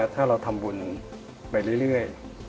ถ้าเราทำบุญไปเรื่อย